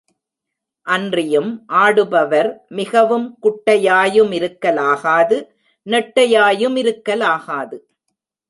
அன்றியும் ஆடுபவர் மிகவும் குட்டையாயு மிருக்கலாகாது நெட்டையாயுமிருக்காலாது.